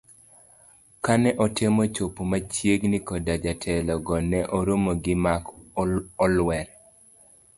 kane otemo chopo machiegni koda jotelo go ne oromo gi mak olwer.